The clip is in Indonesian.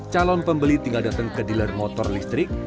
calon pembeli tinggal datang ke dealer motor listrik